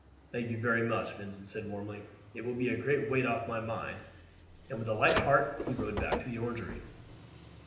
"Thank you very much," Vincent said warmly; "it will be a great weight off my mind," and with a light heart he rode back to the Orangery.